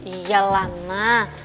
iya lah ma